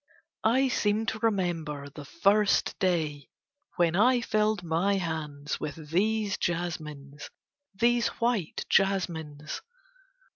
I seem to remember the first day when I filled my hands with these jasmines, these white jasmines.